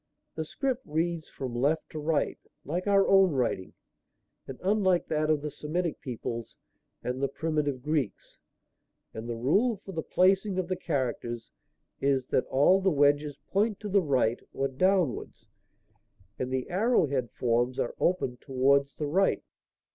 The script reads from left to right, like our own writing, and unlike that of the Semitic peoples and the primitive Greeks; and the rule for the placing of the characters is that all the 'wedges' point to the right or downwards and the arrow head forms are open towards the right.